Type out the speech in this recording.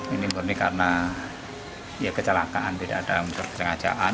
ini murni karena ya kecelakaan tidak ada unsur kesengajaan